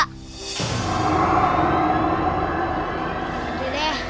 oh ya udah deh